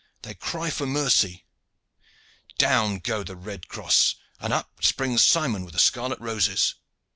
They cry for mercy. Down goes the red cross, and up springs Simon with the scarlet roses!"